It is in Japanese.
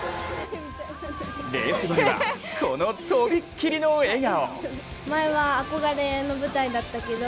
レース後には、このとびっきりの笑顔。